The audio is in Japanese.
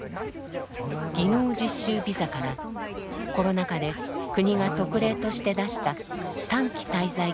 技能実習ビザからコロナ禍で国が特例として出した短期滞在